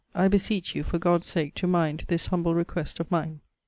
I beseech you, for God's sake, to mind this humble request of mine.